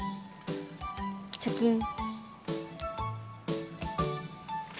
チョキン。